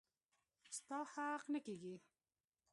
ستا حق نه کيږي.